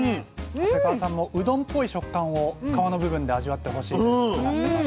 長谷川さんもうどんっぽい食感を皮の部分で味わってほしいと話してました。